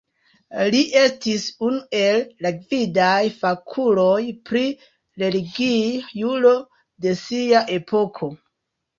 Li estis unu el la gvidaj fakuloj pri religia juro de sia epoko.